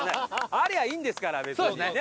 ありゃあいいんですから別にね。